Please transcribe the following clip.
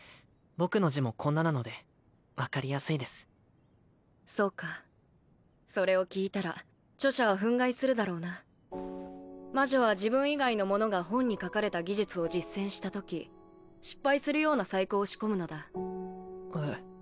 僕の字もこんななので分かりやすいですそうかそれを聞いたら著者は憤慨するだろうな魔女は自分以外の者が本に書かれた技術を実践したとき失敗するような細工を仕込むのだえっ